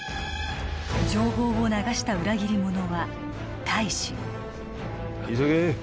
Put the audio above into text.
情報を流した裏切り者は大使急げ